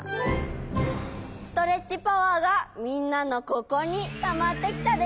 ストレッチパワーがみんなのここにたまってきたでしょ？